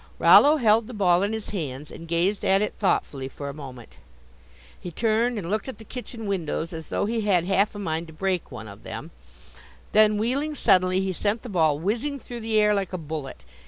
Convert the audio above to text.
Rollo held the ball in his hands and gazed at it thoughtfully for a moment; he turned and looked at the kitchen windows as though he had half a mind to break one of them; then wheeling suddenly he sent the ball whizzing through the air like a bullet.